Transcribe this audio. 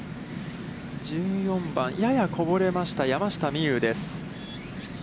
１４番、ややこぼれました、山下美夢有です。